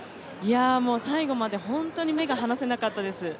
もう最後まで本当に目が離せなかったです